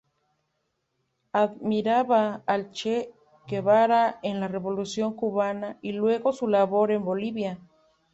Admiraba al Che Guevara en la revolución cubana y luego su labor en Bolivia.